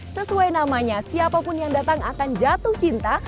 sesuai namanya siapapun yang datang akan jatuh cinta